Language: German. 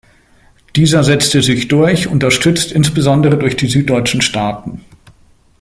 Dieser setzte sich durch, unterstützt insbesondere durch die süddeutschen Staaten.